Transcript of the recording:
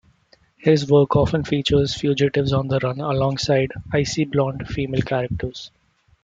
His work often features fugitives on the run alongside "icy blonde" female characters.